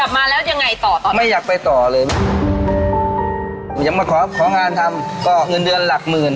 มาแล้วยังไงต่อตอนนี้ไม่อยากไปต่อเลยไหมอยากมาขอของานทำก็เงินเดือนหลักหมื่น